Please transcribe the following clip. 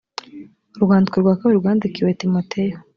urwandiko rwa kabiri rwandikiwe timoteyo